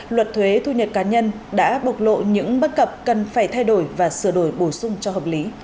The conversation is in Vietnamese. luật thuế thu nhập cá nhân đã bộc lộ những bất cập cần phải thay đổi và sửa đổi bổ sung cho hợp lý